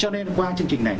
cho nên qua chương trình này